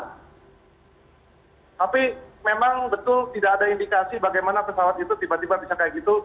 tapi memang betul tidak ada indikasi bagaimana pesawat itu tiba tiba bisa kayak gitu